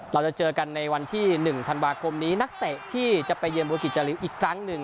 เราจะเจอกันในวันที่๑ธันวาคมนี้นักเตะที่จะไปเยือนบูกิจจาริวอีกครั้งหนึ่ง